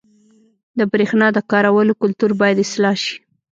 • د برېښنا د کارولو کلتور باید اصلاح شي.